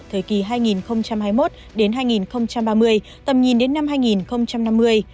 thời kỳ hai nghìn hai mươi một hai nghìn ba mươi tầm nhìn đến năm hai nghìn năm mươi